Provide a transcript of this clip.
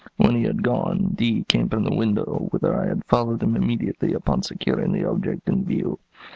When he had gone, D came from the window, whither I had followed him immediately upon securing the object in view.